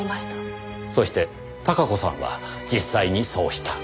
そして孝子さんは実際にそうした。